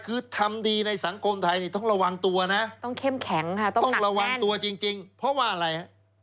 คือทำดีในสังคมไทยนี่ต้องระวังตัวนะต้องระวังตัวจริงเพราะว่าอะไร